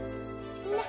ねっ？